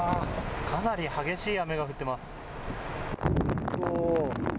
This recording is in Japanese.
かなり激しい雨が降ってます。